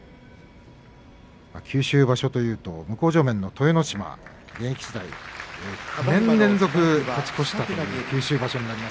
九州場所というと向正面の豊ノ島が現役時代勝ち越しを続けました。